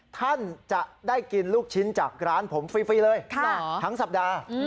ท่านจะได้กินลูกชิ้นจากร้านผมฟรีเลยทั้งสัปดาห์